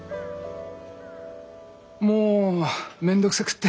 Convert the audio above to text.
もう面倒くさくって。